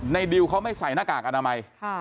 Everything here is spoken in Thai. ดิวเขาไม่ใส่หน้ากากอนามัย